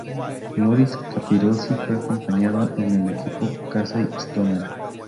Loris Capirossi fue acompañado en el equipo por Casey Stoner.